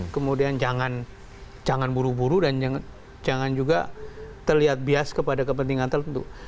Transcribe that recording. kemudian jangan buru buru dan jangan juga terlihat bias kepada kepentingan tertentu